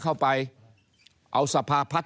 ก็จะมาจับทำเป็นพรบงบประมาณ